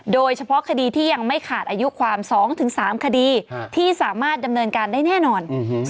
โดยเฉพาะคดีที่ยังไม่ขาดอายุความ๒๓คดีที่สามารถดำเนินการได้แน่นอน